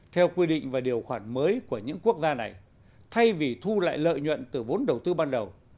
theo quy định và điều khoản mới của những quốc gia này thay vì thu lại lợi nhuận từ vốn đầu tư ban đầu